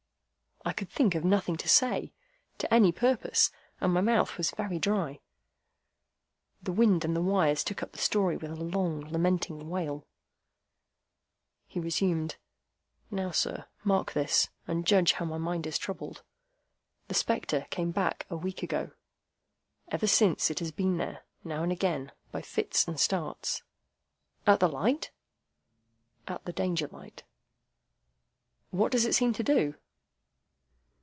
I could think of nothing to say, to any purpose, and my mouth was very dry. The wind and the wires took up the story with a long lamenting wail. He resumed. "Now, sir, mark this, and judge how my mind is troubled. The spectre came back a week ago. Ever since, it has been there, now and again, by fits and starts." "At the light?" "At the Danger light." "What does it seem to do?"